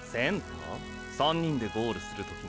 ３人でゴールする時の？